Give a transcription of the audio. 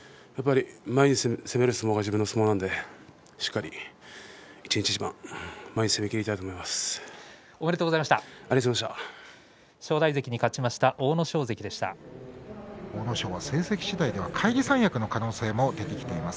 前に攻める相撲が自分の相撲なのでしっかり一日一番前に攻めきりたいと思います。